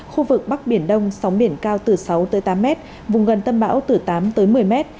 khu vực bắc biển đông sóng biển cao từ sáu tới tám mét vùng gần tâm bão từ tám tới một mươi mét